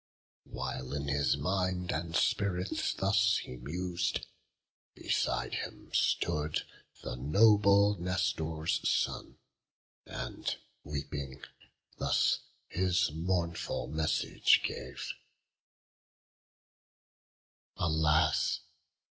While in his mind and spirit thus he mus'd, Beside him stood the noble Nestor's son, And weeping, thus his mournful message gave: "Alas!